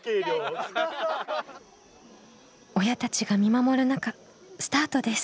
親たちが見守る中スタートです。